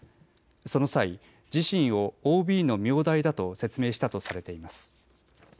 その際、自身をＯＢの名代だと説明したとされています。